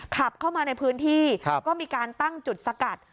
ขับเข้ามาในพื้นที่ก็มีการตั้งจุดสกัด